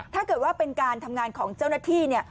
ถ้าเกิดว่าเป็นการทำงานของเจ้าหน้าที่